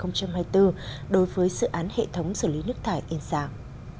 năm hai nghìn hai mươi bốn đối với sự án hệ thống xử lý nước thải yên giang